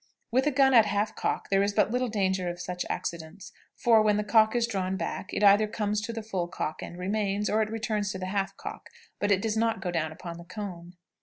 With a gun at half cock there is but little danger of such accidents; for, when the cock is drawn back, it either comes to the full cock, and remains, or it returns to the half cock, but does not go down upon the cone.